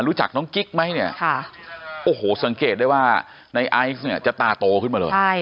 รู้จักน้องกิ๊กไหมเนี่ยโอ้โหสังเกตได้ว่าในไอซ์เนี่ยจะตาโตขึ้นมาเลย